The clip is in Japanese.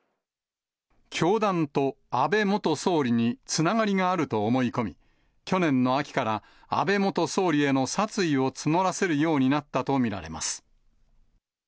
教団と安倍元総理につながりがあると思い込み、去年の秋から安倍元総理への殺意を募らせるようになったと見られます。